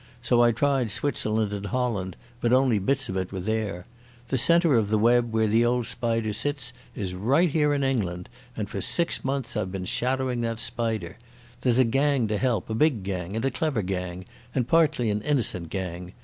So I tried Switzerland and Holland, but only bits of it were there. The centre of the web where the old spider sits is right here in England, and for six months I've been shadowing that spider. There's a gang to help, a big gang, and a clever gang, and partly an innocent gang.